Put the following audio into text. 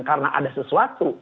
karena ada sesuatu